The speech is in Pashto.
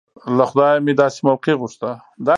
له خدايه مې داسې موقع غوښته.